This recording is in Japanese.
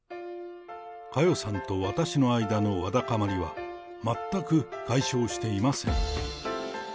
佳代さんと私の間のわだかまりは、全く解消していません。